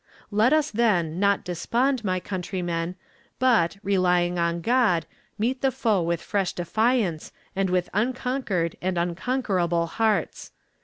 "Let us, then, not despond, my countrymen, but, relying on God, meet the foe with fresh defiance and with unconquered and unconquerable hearts.